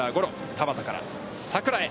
田端から佐倉へ。